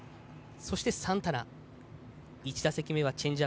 そしてサンタナ。